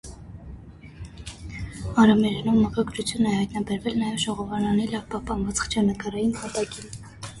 Արամերենով մակագրություն է հայտնաբերվել նաև ժողովարանի լավ պահպանված խճանկարային հատակին։